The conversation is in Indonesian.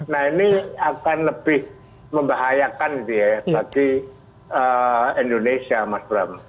nah ini akan lebih membahayakan bagi indonesia mas bram